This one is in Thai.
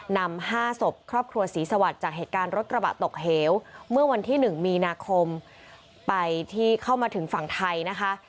นำ๕ศพครอบครัวศรีสวัสดิ์จากเหตุการณ์รถกระบะตกเหวเมื่อวันที่๑มีนาคมไปที่เข้ามาถึงฝั่งไทยนะคะ